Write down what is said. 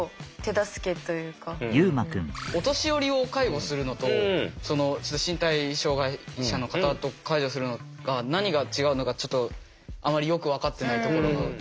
お年寄りを介護するのと身体障害者の方を介助するのが何が違うのかちょっとあまりよく分かってないところが。